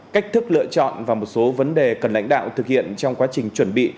cách thức lựa chọn và một số vấn đề cần lãnh đạo thực hiện trong quá trình chuẩn bị